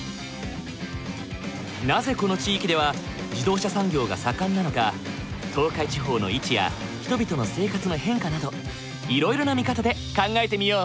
なぜこの地域では自動車産業が盛んなのか東海地方の位置や人々の生活の変化などいろいろな見方で考えてみよう。